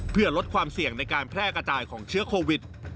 เพื่อลดความเสี่ยงในการแพร่กระจายของเชื้อโควิด